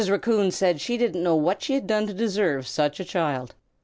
Raccoon said she didn't know what she had done to deserve such a child.